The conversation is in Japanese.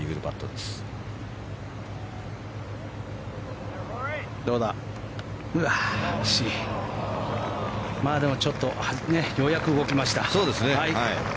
でもちょっとようやく動きました。